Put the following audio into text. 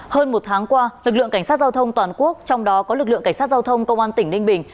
hơn một tháng qua lực lượng cảnh sát giao thông toàn quốc trong đó có lực lượng cảnh sát giao thông công an tỉnh ninh bình